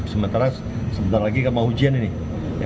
sementara sebentar lagi kami mau ujian ini